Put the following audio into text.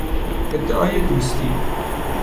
ادعای دوستی